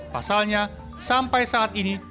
pasalnya sampai saat ini